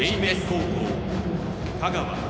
英明高校・香川。